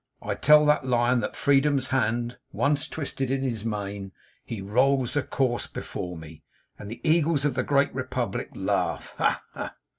I tell that Lion, that Freedom's hand once twisted in his mane, he rolls a corse before me, and the Eagles of the Great Republic laugh ha, ha!